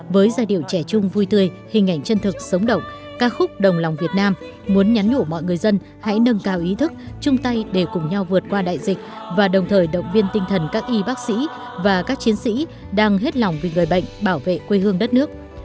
với giai điệu trẻ chung vui tươi hình ảnh chân thực sống động ca khúc đồng lòng việt nam muốn nhắn nhủ mọi người dân hãy nâng cao ý thức chung tay để cùng nhau vượt qua đại dịch và đồng thời động viên tinh thần các y bác sĩ và các chiến sĩ đang hết lòng vì người bệnh bảo vệ quê hương đất nước